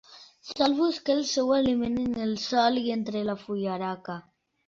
Sol buscar el seu aliment en el sòl i entre la fullaraca.